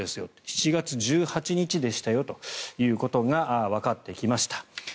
７月１８日でしたよということがわかってきました。